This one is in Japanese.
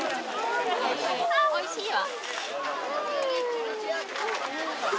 おいしいわ。